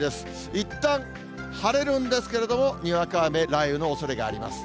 いったん晴れるんですけれども、にわか雨、雷雨のおそれがあります。